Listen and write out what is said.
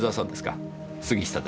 杉下です。